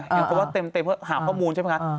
อย่างเขาว่าเต็มเพื่อหาข้อมูลใช่ไหมครับ